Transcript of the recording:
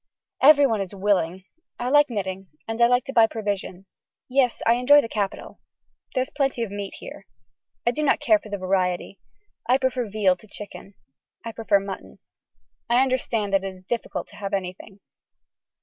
Every one is willing. I like knitting and I like to buy provision. Yes I enjoy the capital. There is plenty of meat here. I do not care for the variety. I prefer veal to chicken. I prefer mutton. I understand that it is difficult to have anything.